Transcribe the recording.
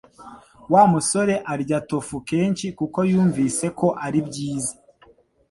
Wa musore arya tofu kenshi kuko yumvise ko ari byiza